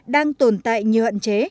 đang tồn tại như hận chế